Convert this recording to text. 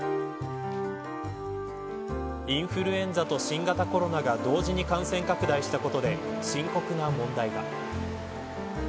インフルエンザと新型コロナが同時に感染拡大したことで深刻な問題が。